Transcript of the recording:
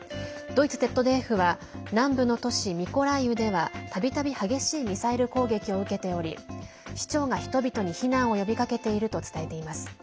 ドイツＺＤＦは南部の都市ミコライウではたびたび激しいミサイル攻撃を受けており市長が人々に避難を呼びかけていると伝えています。